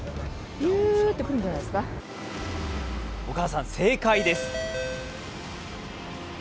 お母さん、正解です。